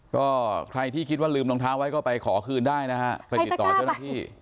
ก็ใครที่คิดว่าลืมรองเท้าไว้ก็ไปขอคืนได้นะฮะไปติดต่อเจ้าหน้าที่